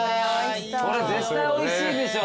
これ絶対おいしいでしょ。